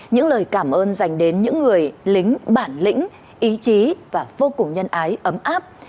những lời cảm ơn dành đến những người lính bản lĩnh ý chí và vô cùng nhân ái ấm áp